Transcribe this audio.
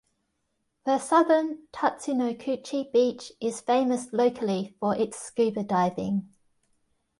The southern Tatsunokuchi beach is famous locally for its scuba diving.